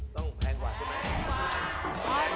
ต้องแพงกว่าตัวเนี่ย